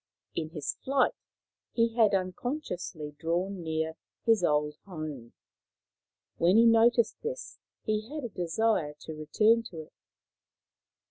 In his flight he had unconsciously drawn near his old home. When he noticed this he had a desire to return to it.